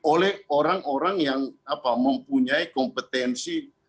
oleh orang orang yang mempunyai kompetensi